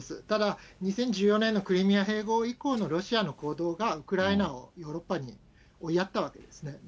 ただ２０１４年のクリミア併合以降のロシアの行動が、ウクライナをヨーロッパに追いやったわけですね。